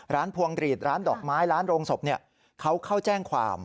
พวงกรีดร้านดอกไม้ร้านโรงศพเขาเข้าแจ้งความ